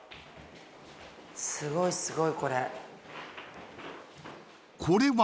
すごいすごいこれ。